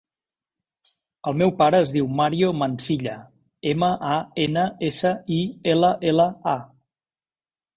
El meu pare es diu Mario Mansilla: ema, a, ena, essa, i, ela, ela, a.